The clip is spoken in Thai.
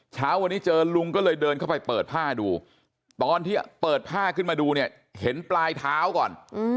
เช้าวันนี้เจอลุงก็เลยเดินเข้าไปเปิดผ้าดูตอนที่เปิดผ้าขึ้นมาดูเนี่ยเห็นปลายเท้าก่อน